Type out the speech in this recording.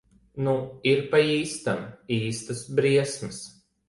Nu ir pa īstam. Īstas briesmas.